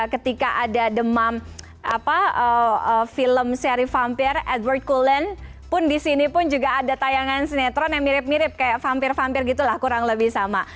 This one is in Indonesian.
ketika ada demam film seri vampir edward cullen pun disini pun juga ada tayangan sinetron yang mirip mirip kayak vampir vampir gitu lah kurang lebih sama